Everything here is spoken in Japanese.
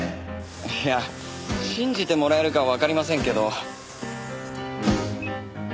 いや信じてもらえるかわかりませんけど。